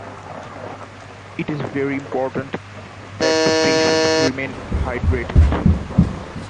It is very important that the patient remain hydrated.